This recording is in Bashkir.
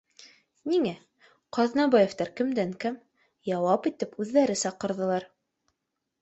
Ниңә, Ҡаҙнабаевтар кемдән кәм, яуап итеп үҙҙәре саҡырҙылар